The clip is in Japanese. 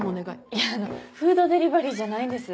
いやフードデリバリーじゃないんです。